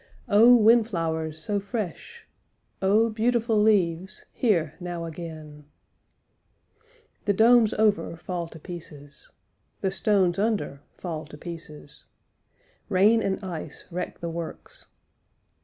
Oh, windflowers so fresh, Oh, beautiful leaves, here now again. The domes over fall to pieces. The stones under fall to pieces. Rain and ice wreck the works.